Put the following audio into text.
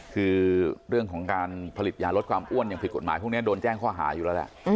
คือเรื่องของการผลิตยาลดความอ้วนอย่างผิดกฎหมายพวกนี้โดนแจ้งข้อหาอยู่แล้วแหละ